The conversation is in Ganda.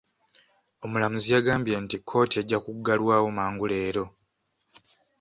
Omulamuzi yagambye nti kkooti ejja kuggalwawo mangu leero.